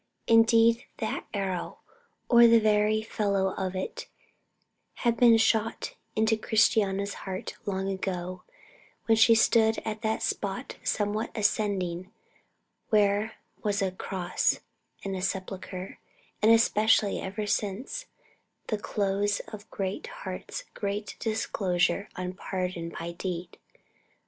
Indeed, that arrow, or the very fellow of it, had been shot into Christiana's heart long ago when she stood at that spot somewhat ascending where was a cross and a sepulchre; and, especially, ever since the close of Greatheart's great discourse on pardon by deed.